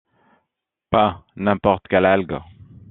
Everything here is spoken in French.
Pas n’importe quelles algues.